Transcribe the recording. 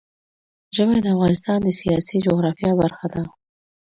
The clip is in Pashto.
ژمی د افغانستان د سیاسي جغرافیه برخه ده.